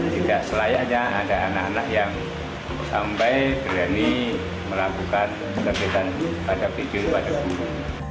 tidak selayanya ada anak anak yang sampai berani melakukan kegiatan pada video ini